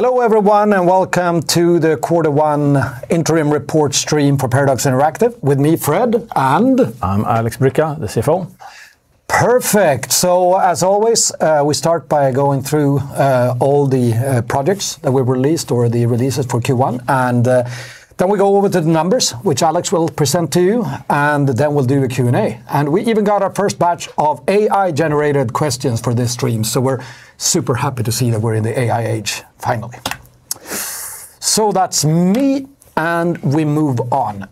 Hello everyone and welcome to the Quarter one interim report stream for Paradox Interactive with me, Fredrik, and. I'm Alexander Bricca, the CFO. Perfect. As always, we start by going through all the projects that we've released or the releases for Q1 and then we go over to the numbers which Alexander will present to you, and then we'll do a Q&A. We even got our first batch of AI-generated questions for this stream, we're super happy to see that we're in the AI age finally. That's me, and we move on.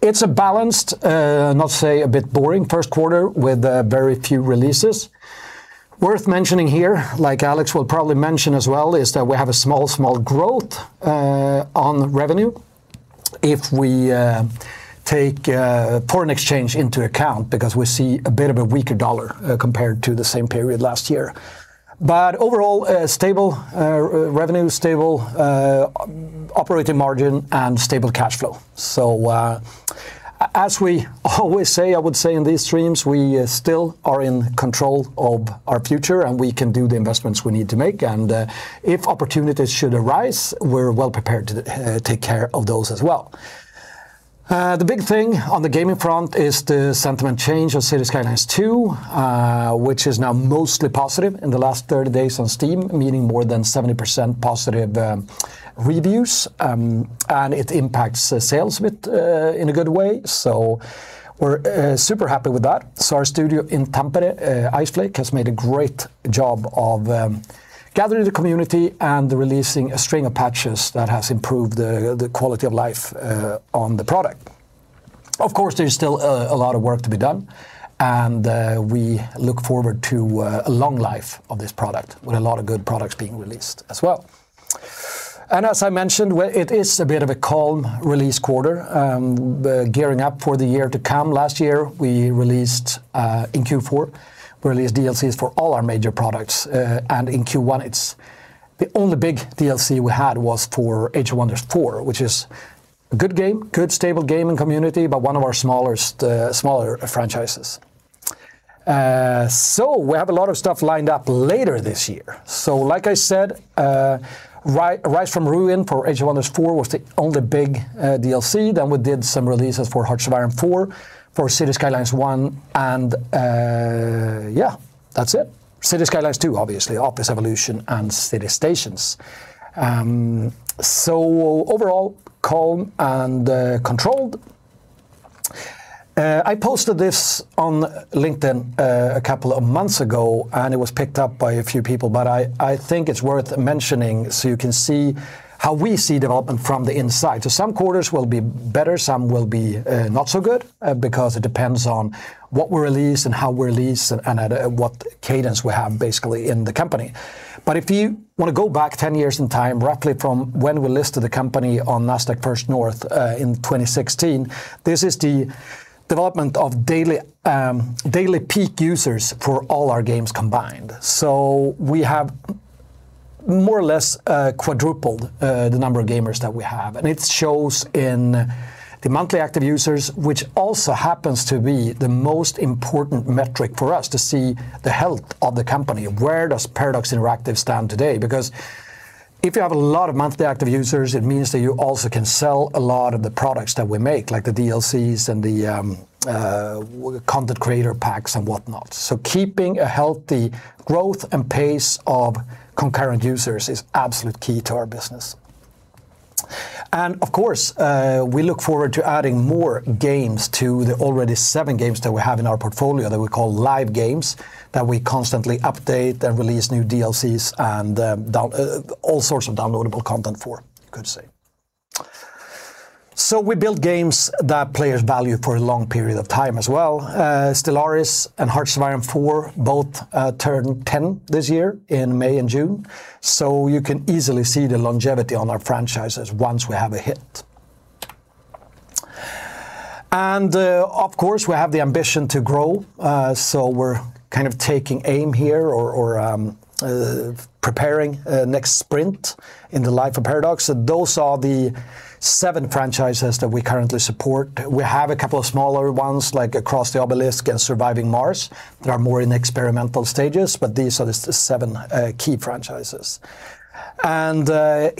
It's a balanced, not to say a bit boring Q1 with very few releases. Worth mentioning here, like Alexander will probably mention as well, is that we have a small growth on revenue if we take foreign exchange into account because we see a bit of a weaker dollar compared to the same period last year. Overall, a stable revenue, stable operating margin and stable cash flow. As we always say, I would say in these streams, we still are in control of our future, and we can do the investments we need to make. If opportunities should arise, we're well prepared to take care of those as well. The big thing on the gaming front is the sentiment change of Cities: Skylines II, which is now mostly positive in the last 30 days on Steam, meaning more than 70% positive reviews. It impacts the sales a bit in a good way, so we're super happy with that. Our studio in Tampere, Iceflake, has made a great job of gathering the community and releasing a string of patches that has improved the quality of life on the product. Of course, there's still a lot of work to be done and we look forward to a long life of this product with a lot of good products being released as well. As I mentioned, it is a bit of a calm release quarter. The gearing up for the year to come. Last year we released in Q4, we released DLCs for all our major products. In Q1 it's the only big DLC we had was for Age of Wonders 4 which is a good game, good stable gaming community, but one of our smallest, smaller franchises. We have a lot of stuff lined up later this year. Like I said, Rise from Ruin for Age of Wonders 4 was the only big DLC. We did some releases for Hearts of Iron IV, for Cities: Skylines 1, and, yeah, that's it. Cities: Skylines II obviously, Office Evolution and City Stations. Overall, calm and controlled. I posted this on LinkedIn a couple of months ago, and it was picked up by a few people. I think it's worth mentioning so you can see how we see development from the inside. Some quarters will be better, some will be not so good, because it depends on what we release and how we release and at what cadence we have basically in the company. If you want to go back 10 years in time, roughly from when we listed the company on Nasdaq First North, in 2016, this is the development of daily peak users for all our games combined. We have more or less quadrupled the number of gamers that we have. It shows in the monthly active users which also happens to be the most important metric for us to see the health of the company. Where does Paradox Interactive stand today? Because if you have a lot of monthly active users, it means that you also can sell a lot of the products that we make, like the DLCs and the Creator Packs and whatnot. Keeping a healthy growth and pace of concurrent users is absolute key to our business. Of course, we look forward to adding more games to the already 7 games that we have in our portfolio that we call live games that we constantly update and release new DLCs and all sorts of downloadable content for, you could say. We build games that players value for a long period of time as well. Stellaris and Hearts of Iron IV both turn 10 this year in May and June, so you can easily see the longevity on our franchises once we have a hit. Of course, we have the ambition to grow. We're kind of taking aim here, preparing a next sprint in the life of Paradox. Those are the 7 franchises that we currently support. We have a couple of smaller ones like Across the Obelisk and Surviving Mars that are more in experimental stages, but these are the 7 key franchises.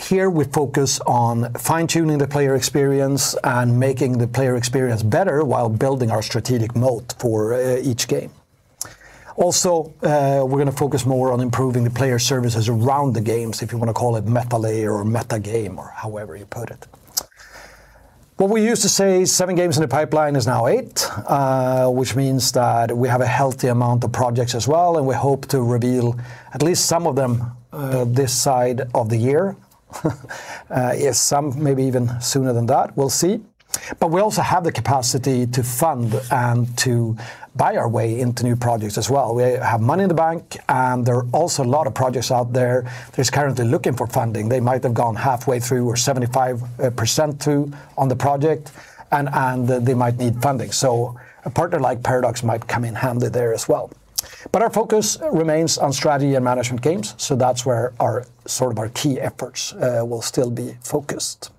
Here we focus on fine-tuning the player experience and making the player experience better while building our strategic moat for each game. Also, we're gonna focus more on improving the player services around the games if you wanna call it meta layer or meta game or however you put it. What we used to say 7 games in the pipeline is now 8, which means that we have a healthy amount of projects as well, and we hope to reveal at least some of them this side of the year. Yes, some maybe even sooner than that. We'll see. We also have the capacity to fund and to buy our way into new projects as well. We have money in the bank, and there are also a lot of projects out there that is currently looking for funding. They might have gone halfway through or 75% through on the project and they might need funding. A partner like Paradox might come in handy there as well. Our focus remains on strategy and management games. That's where our sort of our key efforts will still be focused.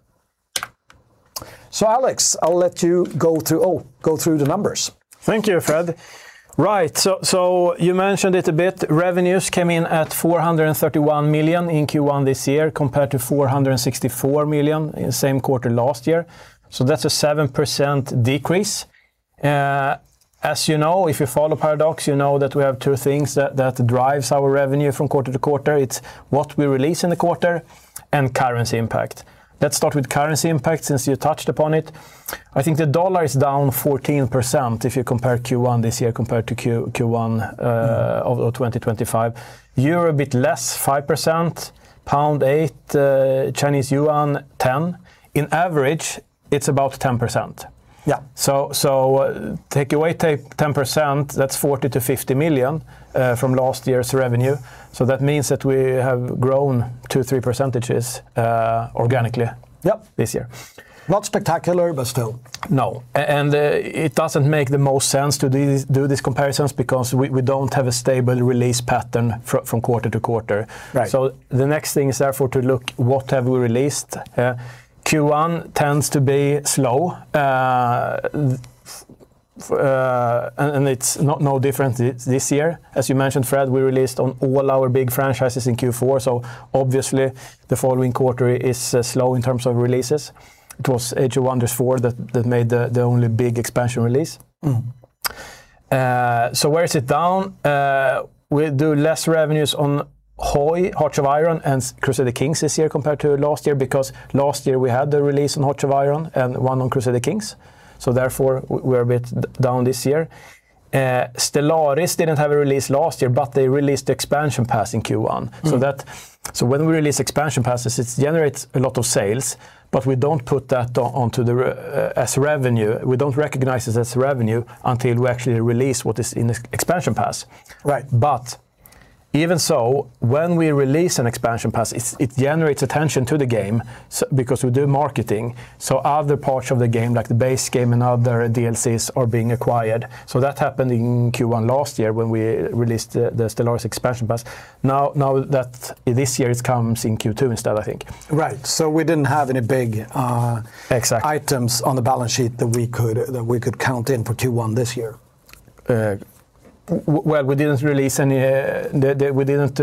Alexander, I'll let you go through the numbers. Thank you, Fredrik. Right. You mentioned it a bit, revenues came in at 431 million in Q1 this year compared to 464 million in same quarter last year. That's a 7% decrease. As you know, if you follow Paradox, you know that we have two things that drives our revenue from quarter to quarter. It's what we release in the quarter and currency impact. Start with currency impact since you touched upon it. I think the dollar is down 14% if you compare Q1 this year compared to Q1 of 2025. EUR a bit less, 5%, GBP 8%, CNY 10%. In average, it's about 10%. Yeah. Take away 10%, that's 40 million-50 million from last year's revenue, so that means that we have grown 2%, 3% organically, Yep This year. Not spectacular, but still. No. It doesn't make the most sense to do these comparisons because we don't have a stable release pattern from quarter to quarter. Right. The next thing is therefore to look what have we released. Q1 tends to be slow, and it's not no different this year. As you mentioned, Fredrik, we released on all our big franchises in Q4, so obviously the following quarter is slow in terms of releases. It was Age of Wonders 4 that made the only big expansion release. Mmm. Where is it down? We do less revenues on HOI, Hearts of Iron, and Crusader Kings this year compared to last year because last year we had the release on Hearts of Iron and one on Crusader Kings, therefore we're a bit down this year. Stellaris didn't have a release last year, but they released the expansion pass in Q1. Mm. When we release expansion passes, it generates a lot of sales, but we don't put that onto the revenue. We don't recognize it as revenue until we actually release what is in the expansion pass. Right. Even so, when we release an expansion pass, it generates attention to the game because we do marketing, so other parts of the game like the base game and other DLCs are being acquired. That happened in Q1 last year when we released the Stellaris expansion pass. Now that this year it comes in Q2 instead, I think. Right. We didn't have any big. Exactly items on the balance sheet that we could count in for Q1 this year. Well, we didn't release any, we didn't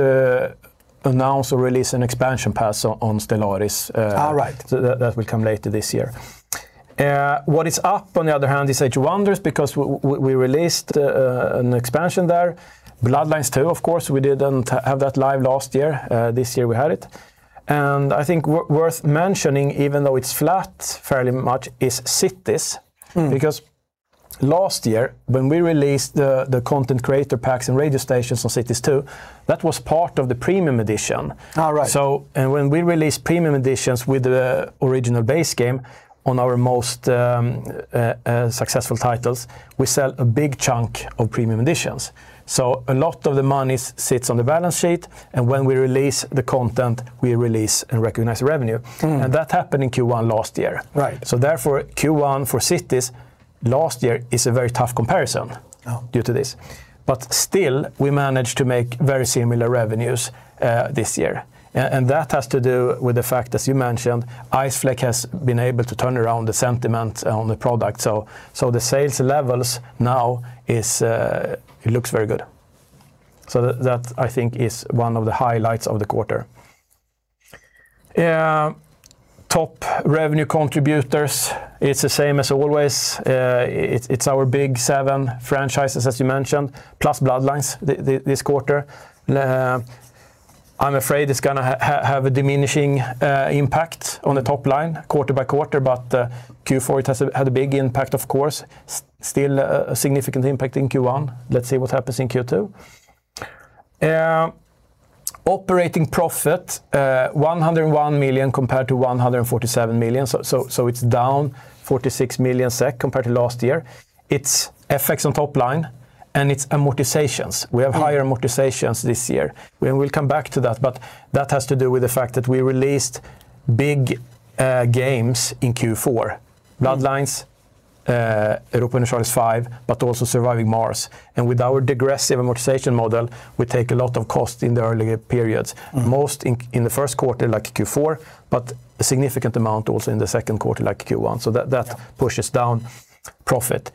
announce or release an expansion pass on Stellaris. right. That will come later this year. What is up on the other hand is Age of Wonders because we released an expansion there. Bloodlines 2, of course, we didn't have that live last year. This year we had it. I think worth mentioning even though it's flat fairly much is Cities. Mm. Because last year when we released the Creator Packs and radio stations on Cities 2, that was part of the Premium Edition. Right. When we release Premium Editions with the original base game on our most successful titles, we sell a big chunk of Premium Editions. A lot of the money sits on the balance sheet, and when we release the content, we release and recognize revenue. Mm. That happened in Q1 last year. Right. Therefore Q1 for Cities last year is a very tough comparison. Oh due to this. Still, we managed to make very similar revenues this year. That has to do with the fact, as you mentioned, Iceflake has been able to turn around the sentiment on the product. The sales levels now is, it looks very good. That, I think is one of the highlights of the quarter. Top revenue contributors, it's the same as always. It's our big seven franchises, as you mentioned, plus Bloodlines this quarter. I'm afraid it's gonna have a diminishing impact on the top line quarter by quarter, but Q4 it had a big impact of course. Still a significant impact in Q1. Let's see what happens in Q2. Operating profit, 101 million compared to 147 million, so it's down 46 million SEK compared to last year. It's effects on top line and it's amortizations. Mm. We have higher amortizations this year. We'll come back to that, but that has to do with the fact that we released big games in Q4. Mm. Bloodlines, Europa Universalis V, but also Surviving Mars. With our digressive amortization model, we take a lot of cost in the earlier periods. Mm. Most in the Q1 like Q4, but a significant amount also in the Q2 like Q1. Yeah Pushes down profit.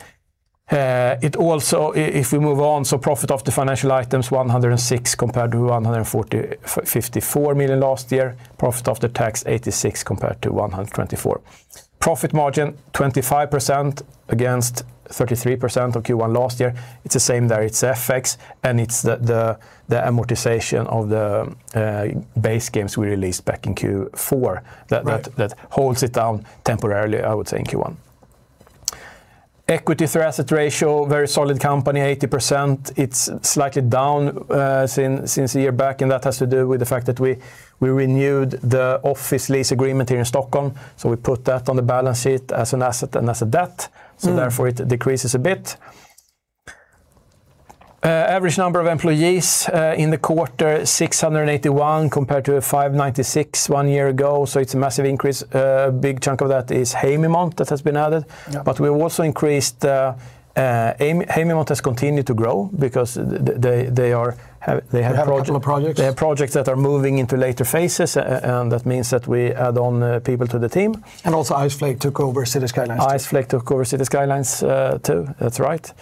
It also, if we move on, profit after financial items 106 compared to 140, 54 million last year. Profit after tax 86 compared to 124. Profit margin 25% against 33% of Q1 last year. It's the same there. It's FX, and it's the amortization of the base games we released back in Q4. Right that holds it down temporarily, I would say, in Q1. Equity to asset ratio, very solid company, 80%. It's slightly down since a year back, and that has to do with the fact that we renewed the office lease agreement here in Stockholm, so we put that on the balance sheet as an asset and as a debt. Mm. Therefore it decreases a bit. Average number of employees, in the quarter 681 compared to 596 1 year ago, it's a massive increase. A big chunk of that is Haemimont that has been added. Yeah. We've also increased, Haemimont has continued to grow because they have pro-. They have a couple of projects. They have projects that are moving into later phases and that means that we add on people to the team. Also Iceflake took over Cities: Skylines II. Iceflake took over Cities: Skylines II, that's right.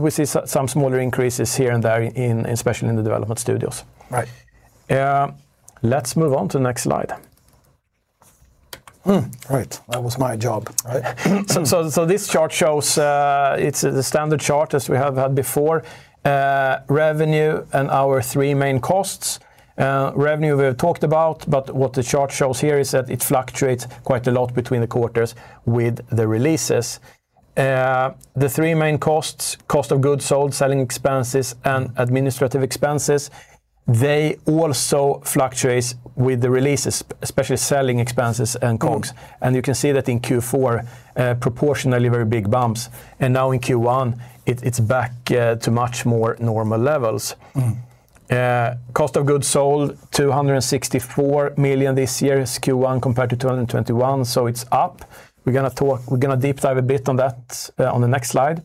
We see some smaller increases here and there in, especially in the development studios. Right. Let's move on to the next slide. Right. That was my job, right? This chart shows it's the standard chart as we have had before, revenue and our three main costs. Revenue we have talked about, but what the chart shows here is that it fluctuates quite a lot between the quarters with the releases. The three main costs, cost of goods sold, selling expenses, and administrative expenses, they also fluctuates with the releases, especially selling expenses and COGS. You can see that in Q4, proportionally very big bumps. Now in Q1, it's back to much more normal levels. Mm-hmm. Cost of goods sold, 264 million this year is Q1 compared to 221, so it's up. We're going to deep dive a bit on that on the next slide.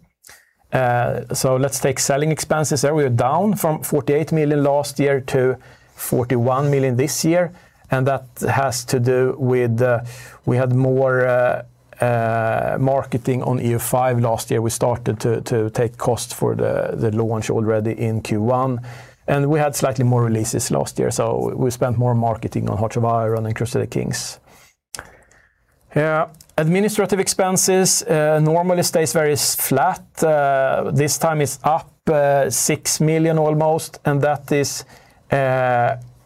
Let's take selling expenses there. We are down from 48 million last year to 41 million this year, that has to do with we had more marketing on EU5 last year. We started to take costs for the launch already in Q1, we had slightly more releases last year, we spent more marketing on Hearts of Iron and Crusader Kings. Yeah. Administrative expenses normally stays very flat. This time it's up almost 6 million. That is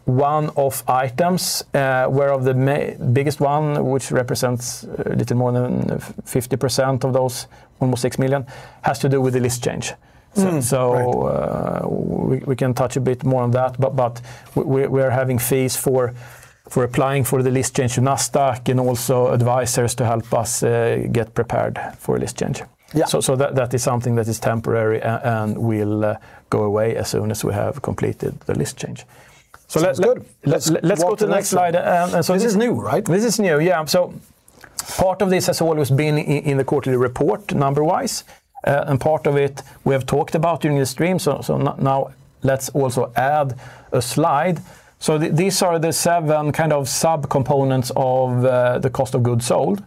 one of items, where of the biggest one which represents a little more than 50% of those, almost 6 million, has to do with the list change. Right. We can touch a bit more on that, but we're having fees for applying for the list change to Nasdaq and also advisors to help us get prepared for list change. Yeah. That is something that is temporary and will go away as soon as we have completed the list change. Sounds good. Let's go to the next slide. This is new, right? This is new, yeah. Part of this has always been in the quarterly report number-wise, and part of it we have talked about during the stream, now let's also add a slide. These are the seven kind of sub-components of the cost of goods sold.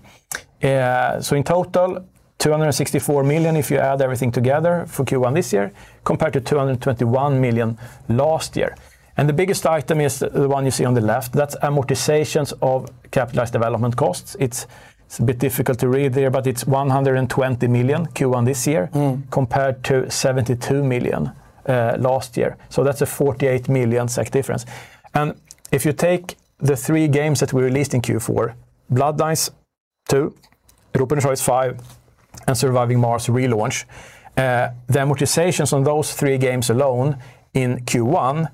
In total, 264 million if you add everything together for Q1 this year compared to 221 million last year. The biggest item is the one you see on the left, that's amortizations of capitalized development costs. It's a bit difficult to read there, but it's 120 million Q1 this year. Hmm Compared to 72 million last year. That's a 48 million SEK difference. If you take the three games that we released in Q4, Bloodlines 2, Europa Universalis V, and Surviving Mars: Relaunched, the amortizations on those three games alone in Q1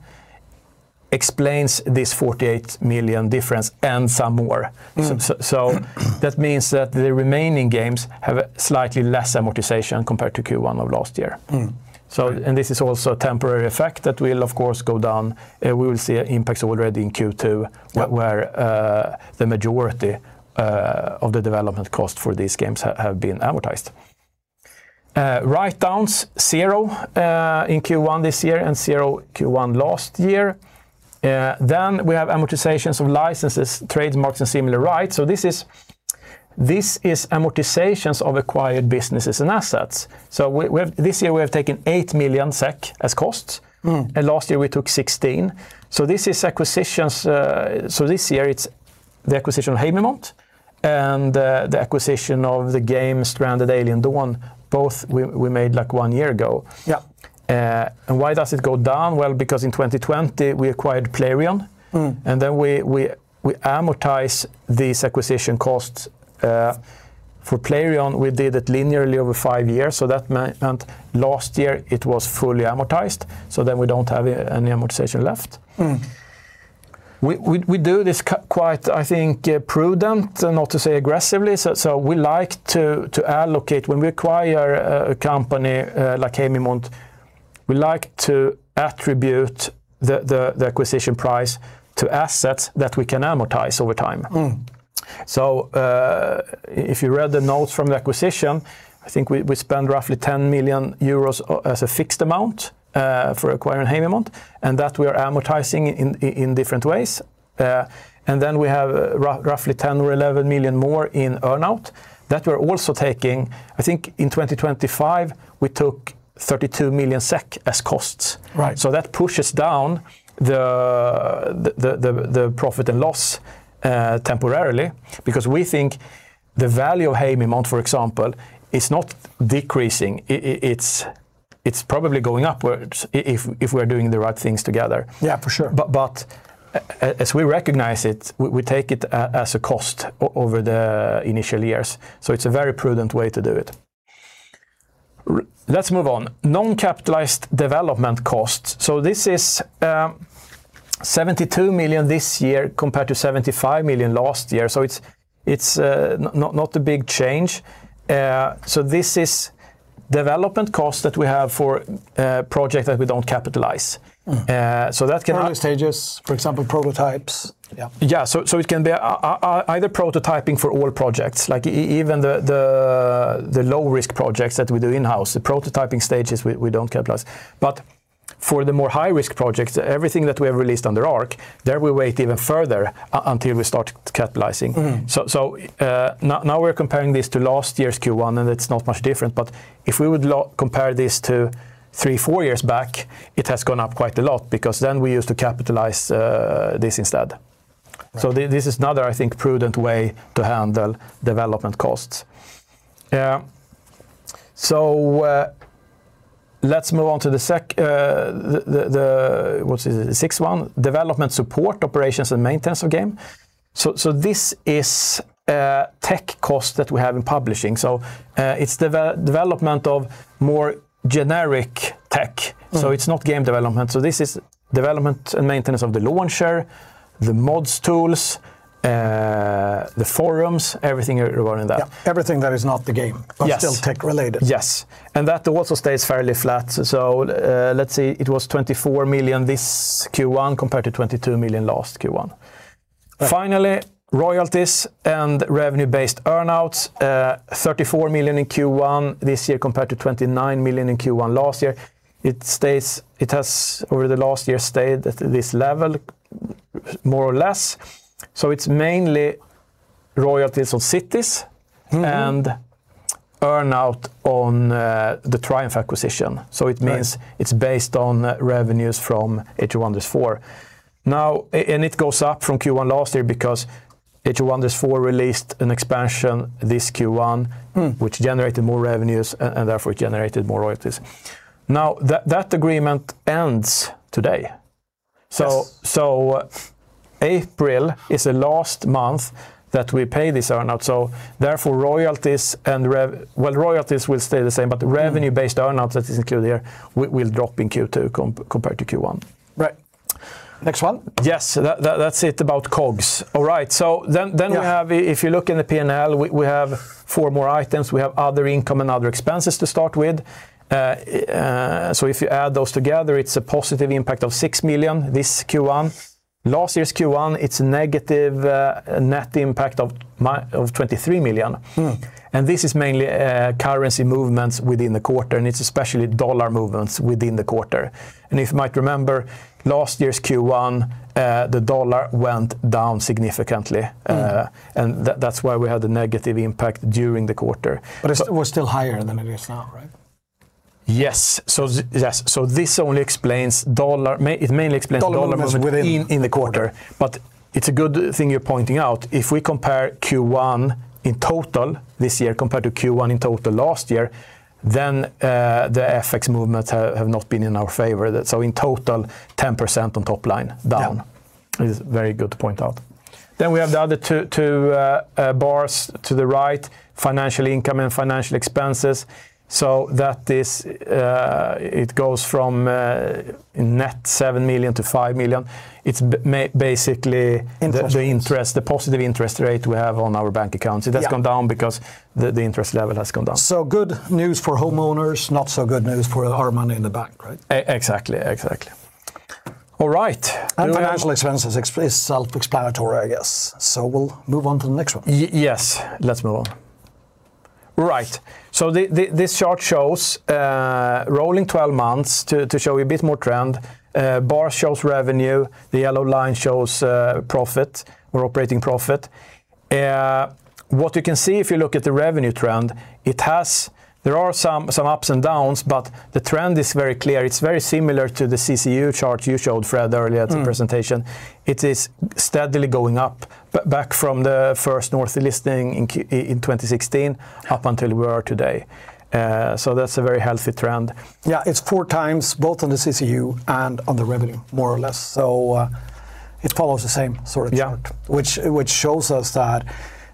explains this 48 million difference and some more. Hmm. That means that the remaining games have slightly less amortization compared to Q1 of last year. Hmm. This is also a temporary effect that will of course go down. We will see impacts already in Q2. Yeah Where the majority of the development cost for these games have been amortized. Write-downs, 0 in Q1 this year and 0 Q1 last year. Then we have amortizations of licenses, trademarks, and similar rights. This is, this is amortizations of acquired businesses and assets. This year we have taken 8 million SEK as costs. Hmm. Last year we took 16. This is acquisitions. This year it's the acquisition of Haemimont and the acquisition of the game Stranded: Alien Dawn, both we made, like, 1 year ago. Yeah. Why does it go down? Well, because in 2020, we acquired Playrion. Hmm. We amortize these acquisition costs. For Playrion, we did it linearly over five years, and last year it was fully amortized, so then we don't have any amortization left. Hmm. We do this quite, I think, prudent, not to say aggressively. We like to allocate, when we acquire a company, like Haemimont, we like to attribute the acquisition price to assets that we can amortize over time. Hmm. If you read the notes from the acquisition, I think we spend roughly 10 million euros as a fixed amount for acquiring Haemimont, and that we are amortizing in different ways. Then we have roughly 10 million or 11 million more in earn-out that we're also taking. I think in 2025, we took 32 million SEK as costs. Right. That pushes down the profit and loss temporarily because we think the value of Haemimont, for example, is not decreasing. It's probably going upwards if we're doing the right things together. Yeah, for sure. As we recognize it, we take it as a cost over the initial years. It's a very prudent way to do it. Let's move on. Non-capitalized development costs. This is 72 million this year compared to 75 million last year. It's not a big change. This is development costs that we have for project that we don't capitalize. Hmm. so that can, Early stages, for example, prototypes. Yeah. Yeah. So it can be either prototyping for all projects, like even the low-risk projects that we do in-house, the prototyping stages we don't capitalize. For the more high-risk projects, everything that we have released under Arc, there we wait even further until we start capitalizing. Hmm. Now we're comparing this to last year's Q1, and it's not much different, but if we would compare this to three, four years back, it has gone up quite a lot because then we used to capitalize this instead. Right. This is another, I think, prudent way to handle development costs. Yeah. Let's move on to the 6th one, development support operations and maintenance of game. This is tech costs that we have in publishing. It's development of more generic tech. Mm. It's not game development. This is development and maintenance of the launcher, the mods tools, the forums, everything regarding that. Yeah, everything that is not the game- Yes Still tech-related. Yes. That also stays fairly flat. Let's see, it was 24 million this Q1 compared to 22 million last Q1. Right. Royalties and revenue-based earn outs, 34 million in Q1 this year compared to 29 million in Q1 last year. It has over the last year stayed at this level more or less. It's mainly royalties of Cities:. Mm-hmm And earn out on the Triumph acquisition. Right. It means it's based on revenues from Age of Wonders 4. Now, it goes up from Q1 last year because Age of Wonders 4 released an expansion this Q1. Hmm Which generated more revenues and therefore it generated more royalties. That agreement ends today. Yes. April is the last month that we pay this earn out. Therefore, royalties and well, royalties will stay the same. Mm Revenue-based earn outs that is included here will drop in Q2 compared to Q1. Right. Next one. Yes. That's it about COGS. All right. Yeah If you look in the P&L, we have four more items. We have other income and other expenses to start with. If you add those together, it's a positive impact of 6 million this Q1. Last year's Q1, it's negative net impact of 23 million. Hmm. This is mainly, currency movements within the quarter, and it's especially dollar movements within the quarter. If you might remember last year's Q1, the dollar went down significantly. Hmm That's why we had the negative impact during the quarter. It was still higher than it is now, right? Yes. Yes, this only explains dollar, it mainly explains dollar movement. Dollar movements within the quarter. In the quarter. It's a good thing you're pointing out. If we compare Q1 in total this year compared to Q1 in total last year, the FX movements have not been in our favor. In total, 10% on top line. Yeah Is very good to point out. We have the other two bars to the right, financial income and financial expenses. That is, it goes from net 7 million to 5 million. Interest The interest, the positive interest rate we have on our bank accounts. Yeah. It has come down because the interest level has come down. Good news for homeowners, not so good news for our money in the bank, right? Exactly. All right. Financial expenses is self-explanatory, I guess. We'll move on to the next one. Yes, let's move on. Right. This chart shows rolling 12 months to show you a bit more trend. Bar shows revenue. The yellow line shows profit or operating profit. What you can see if you look at the revenue trend, there are some ups and downs, but the trend is very clear. It's very similar to the CCU chart you showed, Fredrik, earlier at the presentation. Hmm. It is steadily going up back from the First North listing in 2016. Yeah up until where we are today. That's a very healthy trend. Yeah, it's 4 times both on the CCU and on the revenue, more or less. It follows the same sort of chart. Yeah which shows us that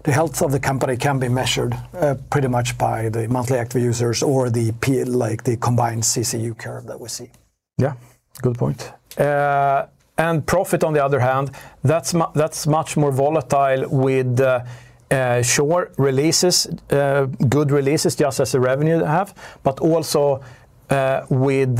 the health of the company can be measured, pretty much by the monthly active users or like, the combined CCU curve that we see. Yeah. Good point. Profit on the other hand, that's much more volatile with, sure, releases, good releases just as a revenue half, but also with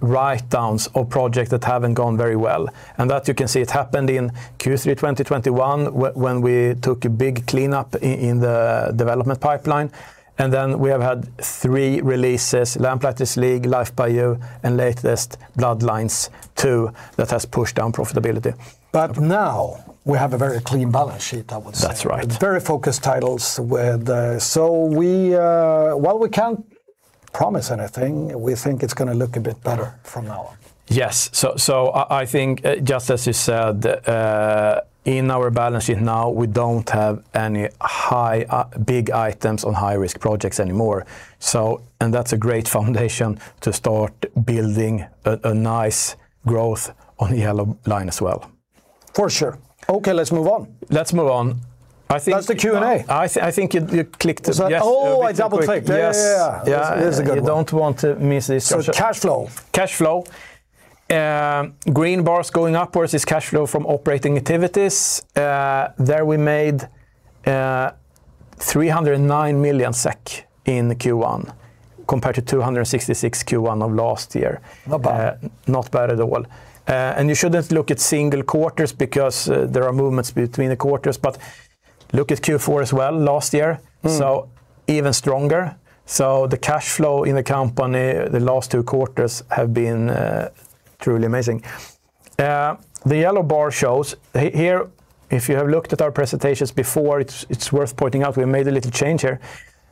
write-downs of projects that haven't gone very well. That you can see, it happened in Q3 2021 when we took a big cleanup in the development pipeline, and then we have had three releases, Lamplighters League, Life by You, and latest, Bloodlines 2, that has pushed down profitability. Now we have a very clean balance sheet, I would say. That's right. While we can't promise anything, we think it's gonna look a bit better from now on. Yes. I think, just as you said, in our balance sheet now, we don't have any high, big items on high-risk projects anymore. That's a great foundation to start building a nice growth on the yellow line as well. For sure. Okay, let's move on. Let's move on. That's the Q&A. I think you clicked it. Yes. Oh, I double-clicked. You clicked it quick. Yes. Yeah, yeah. Yeah. This is a good one. You don't want to miss this. Cash flow. Cash flow. Green bars going upwards is cash flow from operating activities. There we made 309 million SEK in Q1 compared to 266 in Q1 of last year. Not bad. Not bad at all. You shouldn't look at single quarters because there are movements between the quarters, but look at Q4 as well last year. Hmm. Even stronger. The cash flow in the company the last two quarters have been truly amazing. The yellow bar shows here if you have looked at our presentations before it is worth pointing out we made a little change here.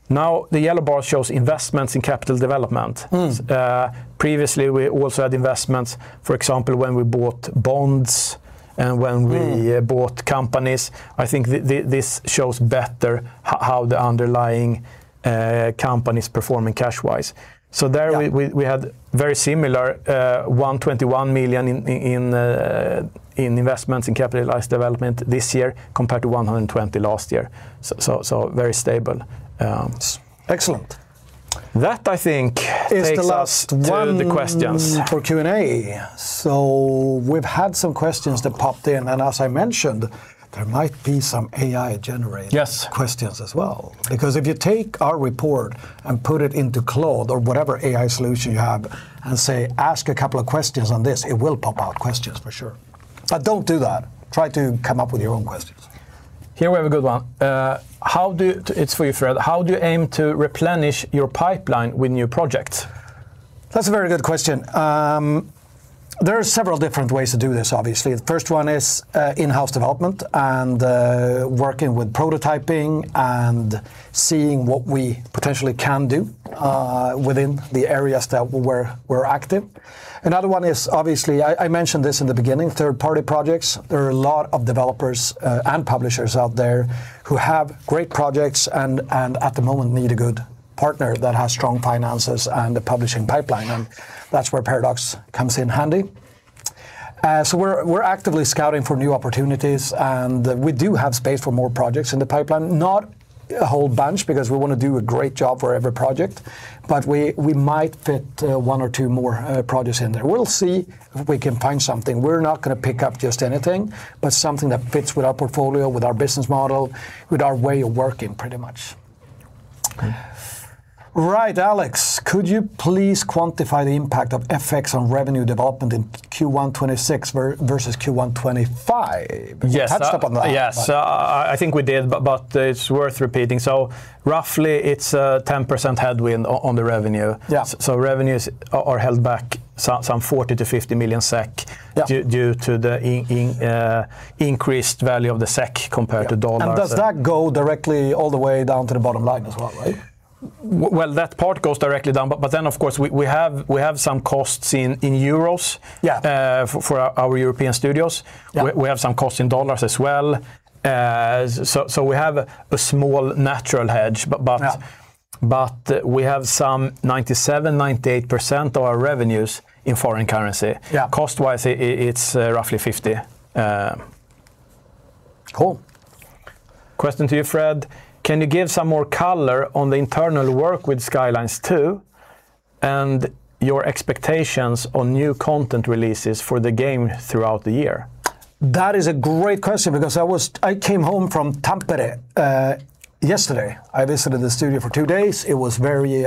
The yellow bar shows investments in capital development. Mm. Previously we also had investments, for example, when we bought bonds. Mm Bought companies. I think this shows better how the underlying company's performing cash-wise. Yeah We had very similar, 121 million in investments in capitalized development this year compared to 120 last year. Very stable. Excellent. That I think takes us, It's the last one. To the questions For Q&A. We've had some questions that popped in, and as I mentioned, there might be some. Yes Questions as well. If you take our report and put it into Claude or whatever AI solution you have and say, "Ask a couple of questions on this," it will pop out questions for sure. Don't do that. Try to come up with your own questions. Here we have a good one. It's for you, Fredrik, how do you aim to replenish your pipeline with new projects? That's a very good question. There are several different ways to do this obviously. The first one is in-house development and working with prototyping and seeing what we potentially can do within the areas that we're active. Another one is, obviously I mentioned this in the beginning, third party projects. There are a lot of developers and publishers out there who have great projects and at the moment need a good partner that has strong finances and a publishing pipeline and that's where Paradox comes in handy. We're actively scouting for new opportunities and we do have space for more projects in the pipeline, not a whole bunch because we wanna do a great job for every project, but we might fit one or two more projects in there. We'll see if we can find something. We're not gonna pick up just anything, but something that fits with our portfolio, with our business model, with our way of working pretty much. Right, Alexander, could you please quantify the impact of FX on revenue development in Q1 2026 versus Q1 2025? Yes. You touched up on that. Yes. I think we did, but it's worth repeating. Roughly it's a 10% headwind on the revenue. Yeah. Revenues are held back some 40 million-50 million SEK. Yeah due to the increased value of the SEK compared to U.S. dollars. Yeah. Does that go directly all the way down to the bottom line as well, right? Well, that part goes directly down, but then of course we have some costs in EUR. Yeah for our European studios. Yeah. We have some costs in U.S. dollars as well. We have a small natural hedge. Yeah We have some 97%, 98% of our revenues in foreign currency. Yeah. Cost-wise it's, roughly 50. Cool. Question to you, Fredrik. Can you give some more color on the internal work with Skylines II and your expectations on new content releases for the game throughout the year? That is a great question because I came home from Tampere yesterday. I visited the studio for two days. It was very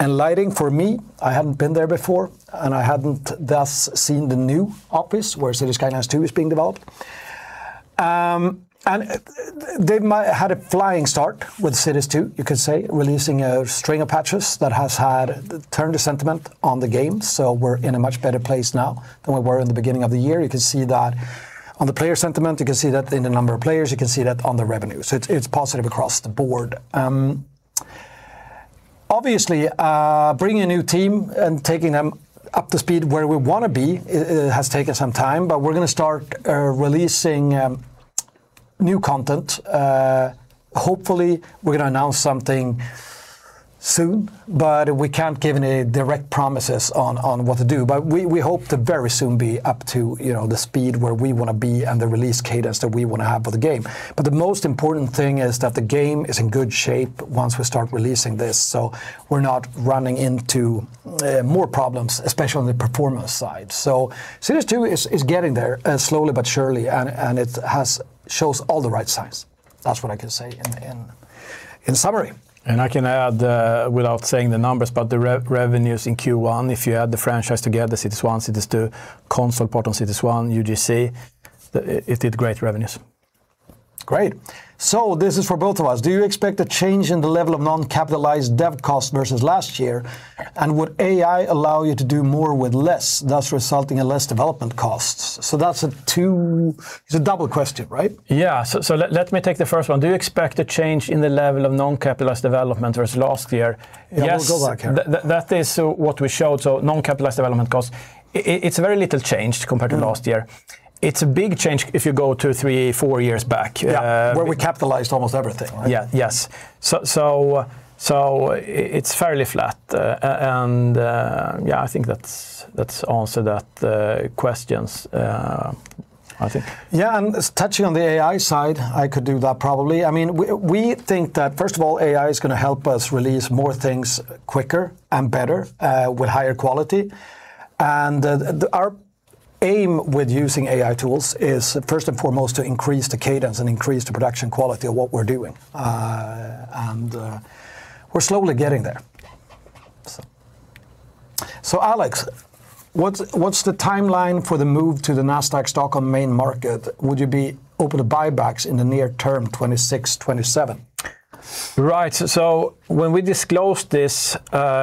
enlightening for me. I hadn't been there before and I hadn't thus seen the new office where Cities: Skylines II is being developed. They had a flying start with Cities II, you could say, releasing a string of patches that has turned a sentiment on the game. We're in a much better place now than we were in the beginning of the year. You can see that on the player sentiment, you can see that in the number of players, you can see that on the revenue. It's positive across the board. Obviously, bringing a new team and taking them up to speed where we wanna be it has taken some time, we're gonna start releasing new content. Hopefully we're gonna announce something soon, we can't give any direct promises on what to do. We hope to very soon be up to, you know, the speed where we wanna be and the release cadence that we wanna have for the game. The most important thing is that the game is in good shape once we start releasing this, we're not running into more problems, especially on the performance side. Cities: Skylines II is getting there slowly but surely and shows all the right signs. That's what I can say in summary. I can add, without saying the numbers, but the revenues in Q1, if you add the franchise together, Cities 1, Cities 2, console port on Cities 1, UGC, it did great revenues. Great. This is for both of us. Do you expect a change in the level of non-capitalized dev cost versus last year? Would AI allow you to do more with less, thus resulting in less development costs? That's a 2, it's a double question, right? Yeah. Let me take the first one. Do you expect a change in the level of non-capitalized development versus last year? Yes. Yeah, we'll go back here. That is what we showed, so non-capitalized development cost, it's very little changed compared to last year. It's a big change if you go two, three, four years back. Yeah, where we capitalized almost everything, right? Yeah. Yes. It's fairly flat. Yeah, I think that's answered that questions, I think. Yeah. Touching on the AI side, I could do that probably. I mean, we think that first of all, AI is gonna help us release more things quicker and better with higher quality. Our aim with using AI tools is first and foremost to increase the cadence and increase the production quality of what we're doing. We're slowly getting there. Alexander Bricca, what's the timeline for the move to the Nasdaq Stockholm main market? Would you be open to buybacks in the near term 2026, 2027? Right. When we disclosed this,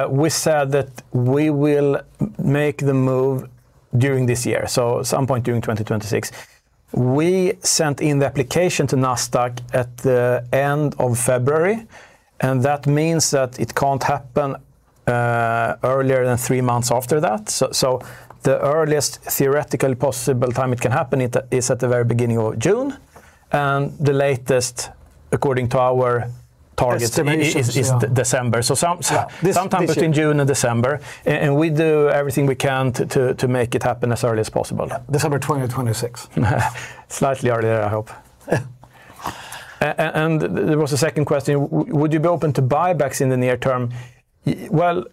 we said that we will make the move during this year, some point during 2026. We sent in the application to Nasdaq at the end of February, that means that it can't happen earlier than three months after that. The earliest theoretical possible time it can happen is at the very beginning of June, the latest according to our targets. Estimations, yeah. Is December. Yeah, this year. Sometime between June and December. We do everything we can to make it happen as early as possible. Yeah, December 2026. Slightly earlier, I hope. There was a second question, would you be open to buybacks in the near term? Well,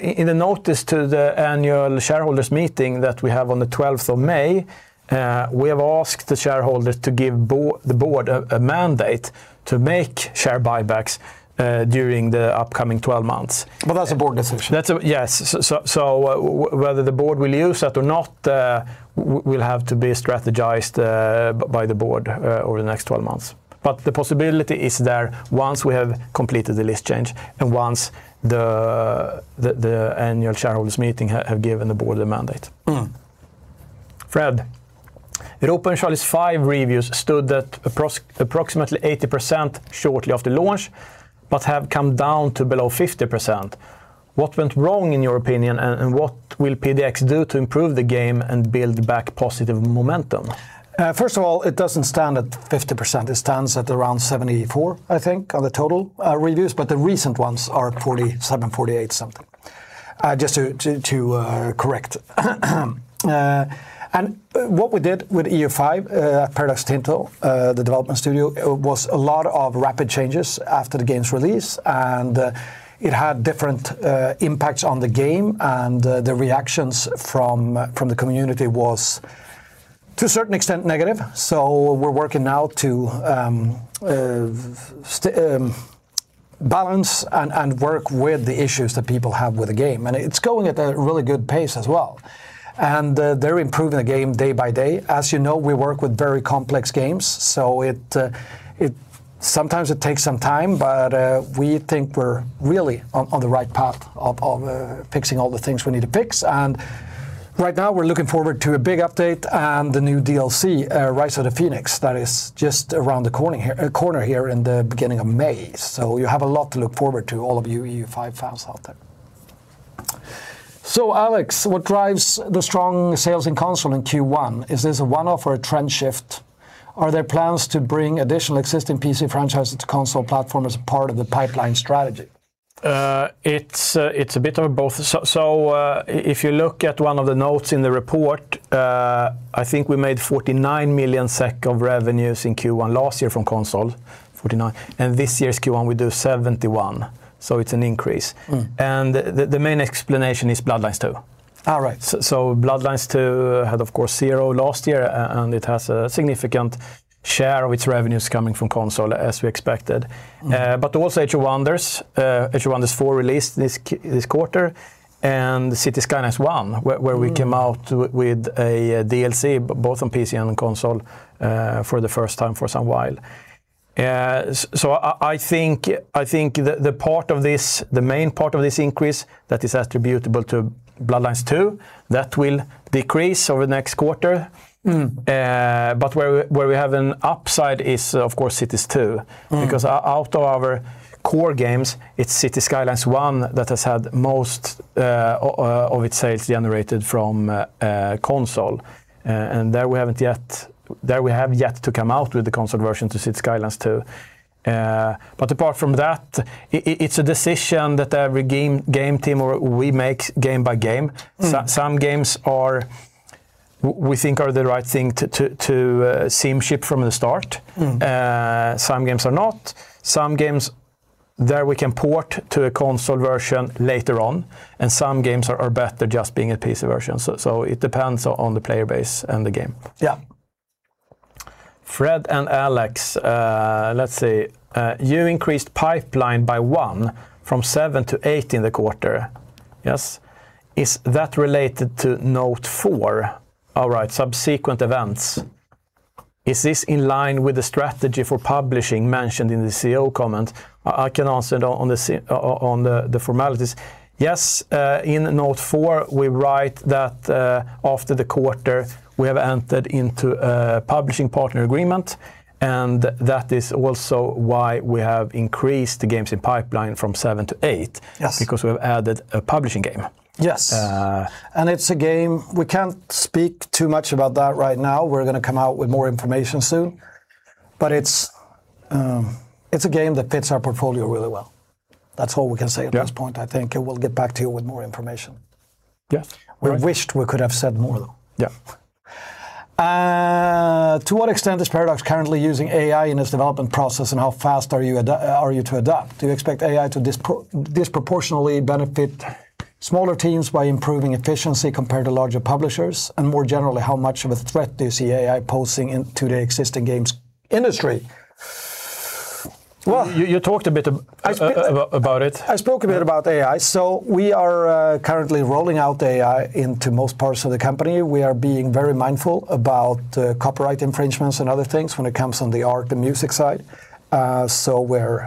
in the notice to the annual shareholders meeting that we have on the 12th of May, we have asked the shareholders to give the board a mandate to make share buybacks during the upcoming 12 months. That's a board decision. That's Yes. So, whether the board will use that or not, will have to be strategized by the board over the next 12 months. The possibility is there once we have completed the list change and once the annual shareholders meeting have given the board a mandate. Fredrik, Europa Universalis V reviews stood at approximately 80% shortly after launch, but have come down to below 50%. What went wrong in your opinion, and what will PDX do to improve the game and build back positive momentum? First of all, it doesn't stand at 50%. It stands at around 74, I think, of the total reviews, but the recent ones are 47, 48 something, just to correct. What we did with EU5, Paradox Tinto, the development studio, it was a lot of rapid changes after the game's release, and it had different impacts on the game, and the reactions from the community was, to a certain extent, negative. We're working now to balance and work with the issues that people have with the game, and it's going at a really good pace as well. They're improving the game day by day. As you know, we work with very complex games, sometimes it takes some time, but we think we're really on the right path of fixing all the things we need to fix. Right now we're looking forward to a big update and the new DLC, Rise of the Phoenix, that is just around the corner here in the beginning of May. You have a lot to look forward to, all of you EU5 fans out there. Alexander, what drives the strong sales in console in Q1? Is this a one-off or a trend shift? Are there plans to bring additional existing PC franchises to console platform as a part of the pipeline strategy? It's a bit of both. If you look at one of the notes in the report, I think we made 49 million SEK of revenues in Q1 last year from console, 49, and this year's Q1 we do 71, so it's an increase. Mm. The main explanation is Bloodlines 2. Right. Bloodlines 2 had of course zero last year, and it has a significant share of its revenues coming from console, as we expected. Mm. Also Age of Wonders, Age of Wonders 4 released this quarter, and the Cities: Skylines 1, where. Mm Where we came out with a DLC both on PC and on console, for the first time for some while. I think the part of this, the main part of this increase that is attributable to Bloodlines 2, that will decrease over the next quarter. Mm. Where we have an upside is of course Cities 2. Mm. Out of our core games, it's Cities: Skylines 1 that has had most of its sales generated from console. There we have yet to come out with the console version to Cities: Skylines II. Apart from that, it's a decision that every game team or we make game by game. Mm. Some games we think are the right thing to sim-ship from the start. Mm. Some games are not. Some games there we can port to a console version later on. Some games are better just being a PC version. It depends on the player base and the game. Yeah. Fredrik and Alexander, let's see. You increased pipeline by 1 from 7 to 8 in the quarter. Yes. Is that related to note 4? All right. Subsequent events. Is this in line with the strategy for publishing mentioned in the CEO comment? I can answer it on the formalities. Yes, in note 4, we write that, after the quarter, we have entered into a publishing partner agreement, and that is also why we have increased the games in pipeline from 7 to 8. Yes because we've added a publishing game. Yes. Uh, It's a game we can't speak too much about that right now. We're gonna come out with more information soon, but it's a game that fits our portfolio really well. That's all we can say. Yeah At this point, I think, and we'll get back to you with more information. Yes. Right. We wished we could have said more, though. Yeah. To what extent is Paradox currently using AI in its development process, and how fast are you to adapt? Do you expect AI to disproportionately benefit smaller teams by improving efficiency compared to larger publishers? More generally, how much of a threat do you see AI posing in to the existing games industry? You talked a bit. I spoke.. about it. I spoke a bit about AI. We are currently rolling out AI into most parts of the company. We are being very mindful about copyright infringements and other things when it comes on the art, the music side. We're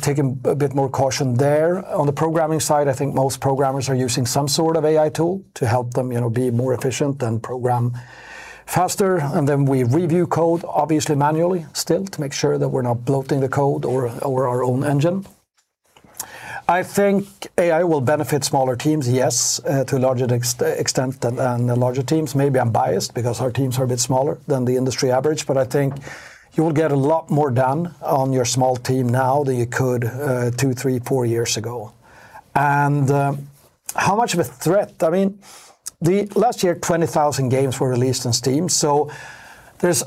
taking a bit more caution there. On the programming side, I think most programmers are using some sort of AI tool to help them, you know, be more efficient and program faster, and then we review code, obviously manually still, to make sure that we're not bloating the code or our own engine. I think AI will benefit smaller teams, yes, to a larger extent than the larger teams. Maybe I'm biased because our teams are a bit smaller than the industry average, but I think you will get a lot more done on your small team now than you could 2, 3, 4 years ago. How much of a threat? I mean, the last year 20,000 games were released on Steam, so there's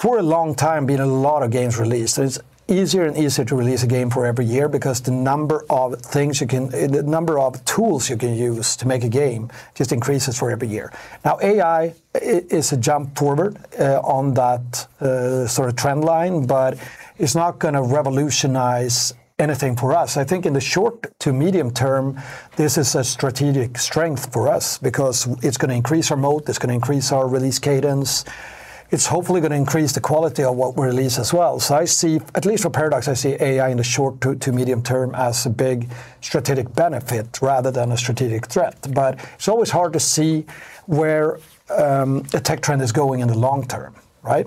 for a long time been a lot of games released and it's easier and easier to release a game for every year because the number of things you can, the number of tools you can use to make a game just increases for every year. AI is a jump forward on that sort of trend line, but it's not gonna revolutionize anything for us. I think in the short to medium term, this is a strategic strength for us because it's gonna increase our moat, it's gonna increase our release cadence. It's hopefully gonna increase the quality of what we release as well. I see, at least for Paradox, I see AI in the short to medium term as a big strategic benefit rather than a strategic threat. It's always hard to see where a tech trend is going in the long term, right?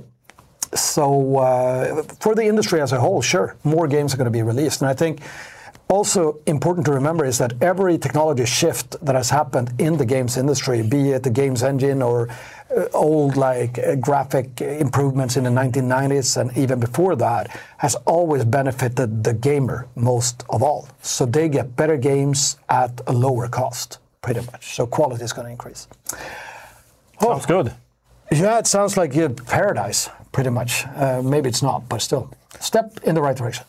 For the industry as a whole, sure, more games are gonna be released, and I think also important to remember is that every technology shift that has happened in the games industry, be it the games engine or, old, like, graphic improvements in the 1990s and even before that, has always benefited the gamer most of all. They get better games at a lower cost pretty much, so quality's gonna increase. Oh. Sounds good. Yeah, it sounds like you are Paradox pretty much. Maybe it is not, but still a step in the right direction.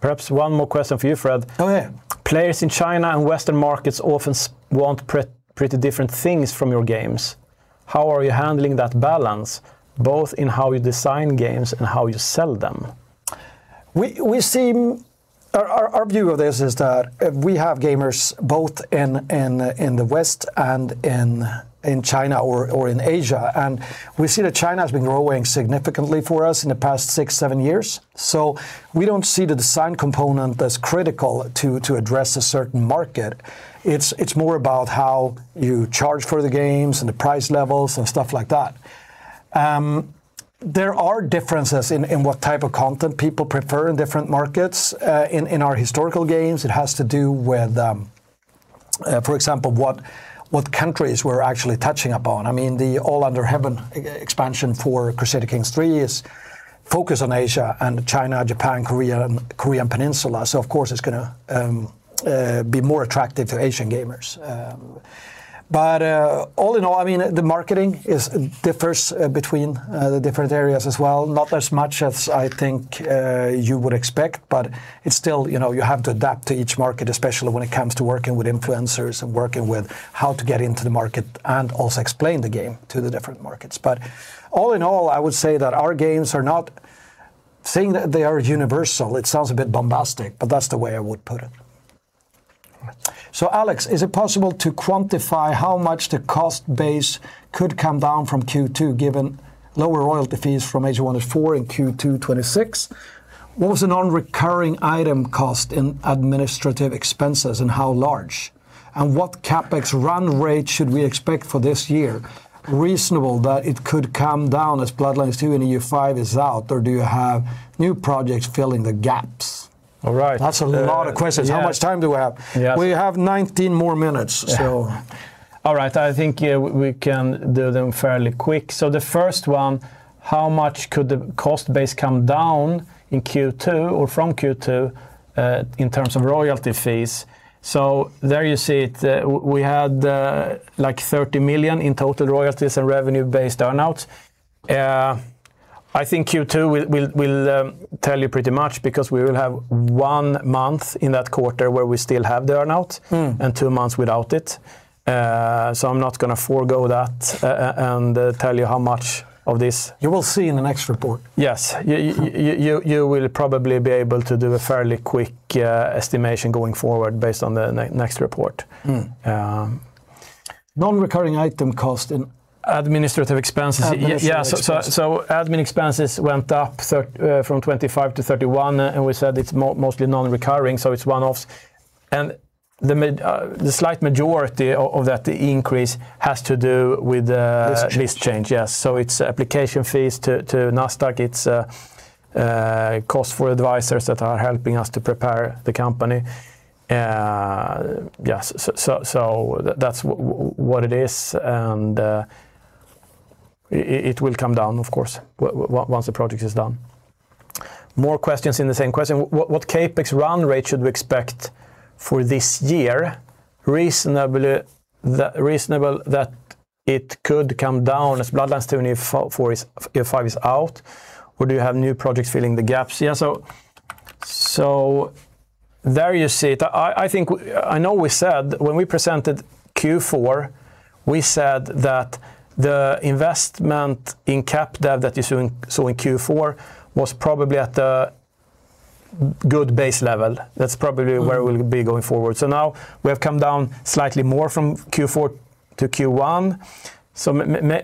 Perhaps one more question for you, Fredrik. Okay. Players in China and Western markets often want pretty different things from your games. How are you handling that balance both in how you design games and how you sell them? We seem, our view of this is that we have gamers both in the West and in China or in Asia, and we see that China has been growing significantly for us in the past 6, 7 years. We don't see the design component as critical to address a certain market. It's more about how you charge for the games and the price levels and stuff like that. There are differences in what type of content people prefer in different markets. In our historical games it has to do with, for example, what countries we're actually touching upon. I mean, the All Under Heaven expansion for Crusader Kings III is focused on Asia and China, Japan, Korea, and Korean Peninsula, of course it's going to be more attractive to Asian gamers. All in all, I mean, the marketing differs between the different areas as well. Not as much as I think you would expect, but it's still, you know, you have to adapt to each market, especially when it comes to working with influencers and working with how to get into the market and also explain the game to the different markets. All in all, I would say that our games are not saying that they are universal, it sounds a bit bombastic, but that's the way I would put it. Alexander, is it possible to quantify how much the cost base could come down from Q2 given lower royalty fees from Age of Wonders IV in Q2 2026? What was the non-recurring item cost in administrative expenses, and how large? What CapEx run rate should we expect for this year? Reasonable that it could come down as Bloodlines 2 and EU5 is out, or do you have new projects filling the gaps? All right. That's a lot of questions. Yeah. How much time do we have? Yeah. We have 19 more minutes, so. All right. I think we can do them fairly quick. The first one, how much could the cost base come down in Q2 or from Q2 in terms of royalty fees? There you see it, we had like 30 million in total royalties and revenue based earn-outs. I think Q2 we will tell you pretty much because we will have one month in that quarter where we still have the earn-out. Mm and two months without it. I'm not gonna forego that and tell you how much of this. You will see in the next report. Yes. You will probably be able to do a fairly quick estimation going forward based on the next report. Mm. Um, Non-recurring item cost. Administrative expenses Administrative expenses. Yeah. Admin expenses went up from 25 to 31, and we said it's mostly non-recurring, so it's one-offs. The slight majority of that increase has to do with. This change This change, yes. It's application fees to Nasdaq. It's cost for advisors that are helping us to prepare the company. Yes. That's what it is and it will come down of course once the project is done. More questions in the same question. What CapEx run rate should we expect for this year? Reasonably, the reasonable that it could come down as Bloodlines 2 and IV is, EU5 is out, or do you have new projects filling the gaps? Yeah, there you see it. I think, I know we said when we presented Q4, we said that the investment in cap dev that you saw in Q4 was probably at a good base level. That's probably where we'll be going forward. Now we have come down slightly more from Q4 to Q1.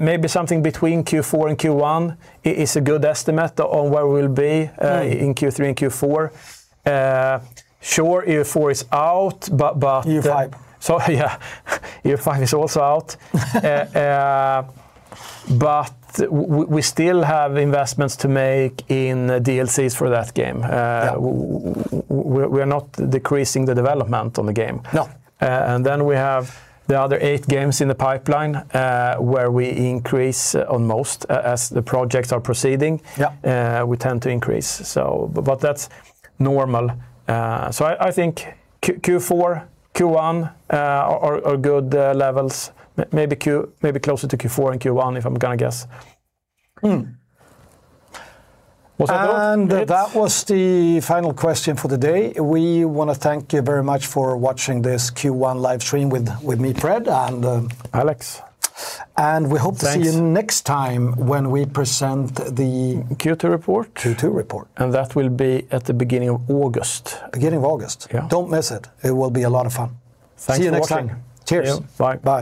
Maybe something between Q4 and Q1 is a good estimate on where we'll be. Mm In Q3 and Q4. Sure, EU4 is out, but. EU5. Yeah, EU5 is also out. we still have investments to make in the DLCs for that game. Yeah We're not decreasing the development on the game. No. Then we have the other 8 games in the pipeline, where we increase on most as the projects are proceeding. Yeah. We tend to increase, so, but that's normal. I think Q4, Q1 are good levels. Maybe closer to Q4 than Q1 if I'm gonna guess. Mm. Was that all? That was the final question for the day. We wanna thank you very much for watching this Q1 live stream with me, Fredrik. Alexander We hope to see you- Thanks next time when we present the- Q2 report. Q2 report. That will be at the beginning of August. Beginning of August. Yeah. Don't miss it. It will be a lot of fun. Thanks for watching. See you next time. Cheers. Yeah, bye. Bye.